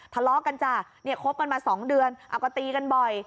ทะเลาะกันจ้ะเนี่ยคบกันมา๒เดือนเอาก็ตีกันบ่อย